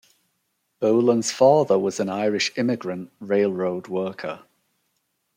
Boland's father was an Irish immigrant railroad worker.